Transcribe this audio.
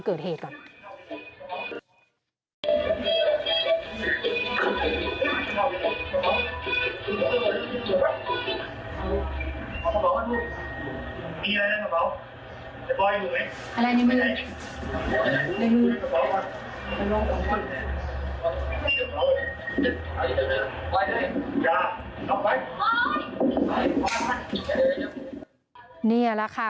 คุณแดงนะคะ